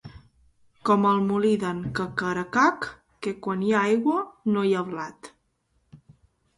Com el molí d'en Cacaracac, que quan hi ha aigua no hi ha blat.